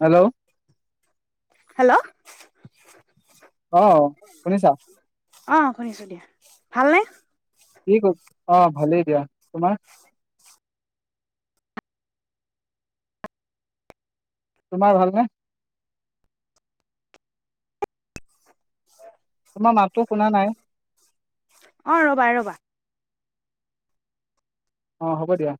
Hello hello অ শুনিছা অ শুনিছোঁ দিয়া ভালনে কি ক অ ভালেই দিয়া তোমাৰ তোমাৰ ভালনে তোমাৰ মাতটো শুনা নাই অ ৰ'বা ৰ'বা অ হ'ব দিয়া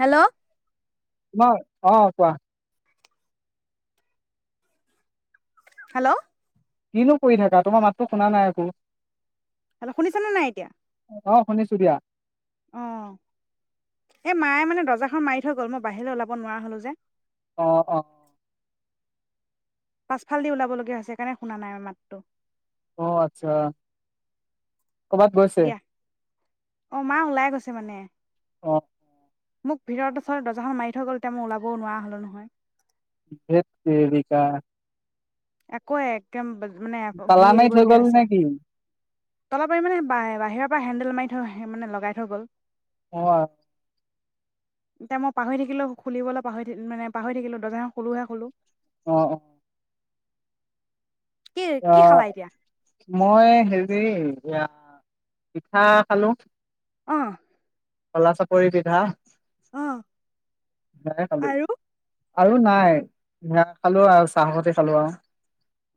হেল্ল। অ অ', কোৱা। হেল্ল। কিনো কৰি থাকা তোমাৰ মাততো শুনা নাই আকৌ। হেল্ল শুনিছানে নাই এতিয়া। অ', শুনিছোঁ দিয়া। অ', এই মায়ে মানে দৰ্জাখন মাৰি থৈ গ'ল মই বাহিৰলৈ ওলাব নোৱাৰা হলো যে। অ', অ'। পাছফাল দি ওলাবলগীয়া হৈছে সেইকাৰণে শুনা নাই মাতটো। অ', আচ্ছা কৰ'বাত গৈছে। অ', মা ওলাই গৈছে মানে। অ'। মোক ভিতৰত ওৰত দৰ্জাখন মাৰি থৈ গ'ল এতিয়া মই ওলাবও নোৱাৰা হলো নহয়। ধেট তেৰিকা। আকৌ একদম মানে তালা ঘূৰি মাৰি আহিব থৈ লগীয়া গ'ল নে হৈছে। কি তলপাৰ মানে বাহিৰৰ পৰা হেণ্ডেল মাৰি থৈ মানে লগাই থৈ গ'ল। অ'। এতিয়া মই পাহৰি থাকিলো খুলিবলৈ পাহৰি থৈ মানে পাহৰি থাকিলো দৰ্জাখন খোলোহে কলো। অ', অ'। কি কি খালা অ', এতিয়া মই হেৰি এতিয়া পিঠা খালোঁ। অ'। খোলা চাপৰি পিঠা। অ'। মানে খালো। আৰু নাই ভাত খালোঁ আৰু চাহপাতি খালোঁ আৰু।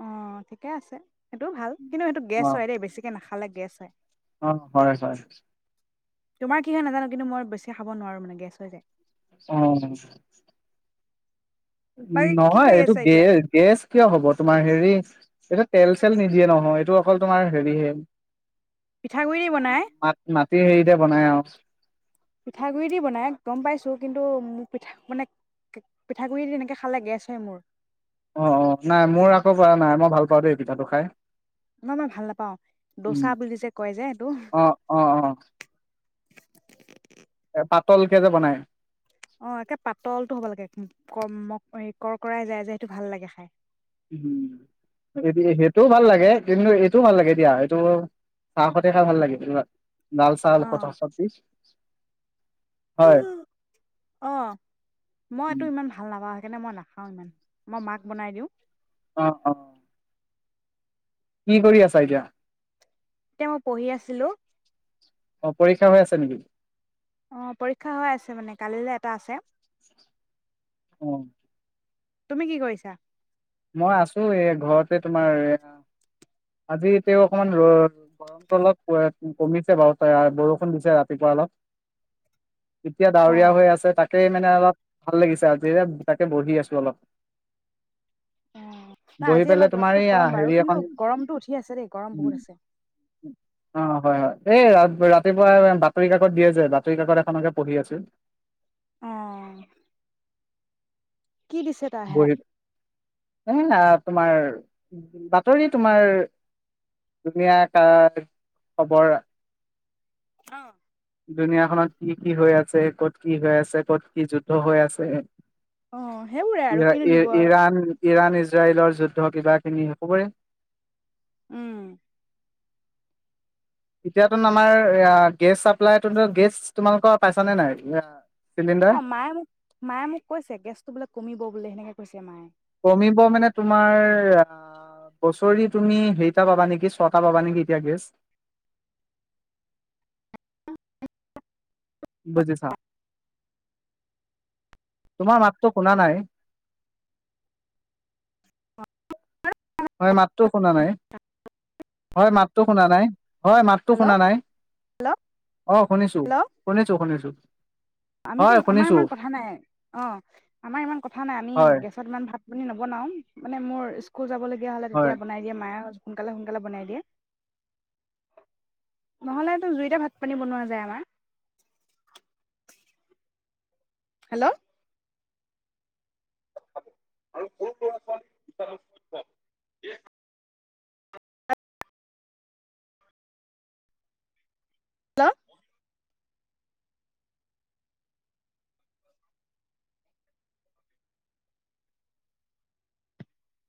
অ', ঠিকে আছে সেইটোও ভাল কিন্তু সেইটো অ গেছ হয় দেই বেছিকে নাখালে গেছ হয়। অ', হয় হয়। তোমাৰ কি হয় নাজানো কিন্তু মই বেছি খাব নোৱাৰো মানে গেছ হৈ যায়। অ'। বাকী কি নহয় কৰি এইটো আছা গে এতিয়া? গেছ কিয় হব তোমাৰ হেৰি এইটো তেল চেল নিদিয়ে নহয় এইটো অকল তোমাৰ হেৰি হে। পিঠাগুড়ি বনায়। মাটি হেৰিতে বনাই আৰু। পিঠাগুডৰি দি বনাই গম পাইছোঁ কিন্তু মোক পিঠা মানে পিঠাগুড়ি তেনেকে খালে গেছ হয় মোৰ। অ অ নাই মোৰ আকৌ ব নাই মই ভাল পাওঁ দেই পিঠাটো খাই। নহয় মই ভাল নাপাওঁ দচা উম, বুলি যে কয় যে এইটো অ', অ'। এ পাতল কে যে বনায়। অ', একে পাতলটো হ'ব লাগে কমক কৰ্কৰাই যায় যে সেইটো ভাল লাগে খাই। উম সেই সেইটোও ভাল লাগে কিন্তু এইটোও ভাল লাগে দিয়া এইটো চাহ খতে খাই ভাল লাগো লাল চাল অ', [unintelligible] চবজি। অহ মই এইটো ইমান ভাল ভাল নাপাওঁ সেই কাৰণে মই নাখাওঁ ইমান মই মাক বনাই দিওঁ। অ অ। কি কৰি আছা এতিয়া? তেওঁ পঢ়ি আছিলো। অ', পৰীক্ষা হৈ আছে নেকি? অ', পৰীক্ষা হৈ আছে মানে কালিলৈ এটা আছে। অ'। তুমি কি কৰিছা? মই আছো এই ঘৰতে তোমাৰ এ, আজি তেওঁ অকমান ৰ গৰমটো অলপ প উম কমিছে বাৰু তই বৰষুণ দিছে, ৰাতিপুৱা অলপ। এতিয়া ডাৱৰীয়া অ', হৈ আছে তাকে মানে অলপ ভাল লাগিছে আজি তাত তাকে বহি আছো অলপ। অ, নাই বহি আজি পেলাই অলপ তোমাৰ ৰ'দটো এই আ, কম বাৰু হেৰি এখন কিন্তু গৰমটো উঠি আছে দেই গৰম বহুত আছে। উম। অ, হয় হয়, এই ৰা ৰাতিপুৱা বাতৰি কাকত দিয়ে যে, বাতৰি কাকত এখনকে পঢ়ি আছিল। অ'। কি দিছে? তাই হাত? বহিত, এ না তোমাৰ, বাতৰি তোমাৰ ধুনীয়া তাৰ খবৰ অ'। দুুনীয়াখনত কি কি হৈ আছে? ক'ত কি হৈ আছে? ক'ত কি যুদ্ধ হৈ আছে? অ', সেইবোৰে আৰু ইৰা কিনো দিব ই আৰু ইৰাণ ইৰাণ ইজৰাইলৰ যুদ্ধ কিবাখিনি হো পৰে। উম। এতিয়াতো নামাৰ এয়া গেছ চাপ্লাই তহঁতৰ গেছ তোমালোকৰ পাইছা নে নাই? আ চিলিণ্ডা অ', মায়ে মোক, মায়ে মোক কৈছে গেছটো বোলে কমিব বুলি সেনেকে কৈছে মায়ে। কমিব মানে তোমাৰ আ বছৰি তুমি সেইটা পাবা নেকি ছটা পাবা নেকি এতিয়া গেছ? বুজিছা? তোমাৰ মাতটো শুনা নাই। হয় মাতটো শুনা নাই, হয় মাতটো শুনা নাই। হয়, মাতটো হেল্ল' শুনা নাই। হেল্ল' অ, শুনিছো, হেল্ল' শুনিছো, শুনিছো। আমিতো হয় আমাৰ শুনিছো ইমান কথা নাই। অ, আমাৰ ইমান কথা নাই, আমি হয় গেছ তাত ইমান ভাত - পানী নবনাও? মানে মোৰ স্কুল যাবলগীয়া হলে হয় তেতিয়া বনায় দিয়ে মায়ে, সোনকালে - সোনকালে বনাই দিয়ে। নহ'লেতো দুুইটা ভাত - পানী বনোৱা যায় আমাৰ। হেল্ল? [unintelligible] হেল্ল?